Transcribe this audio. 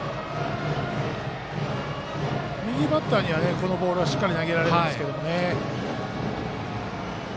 右バッターにはこのボールは、しっかり投げられるんですけどね。